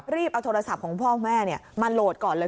เอาโทรศัพท์ของพ่อแม่มาโหลดก่อนเลย